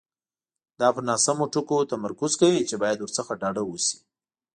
دا پر ناسمو ټکو تمرکز کوي چې باید ورڅخه ډډه وشي.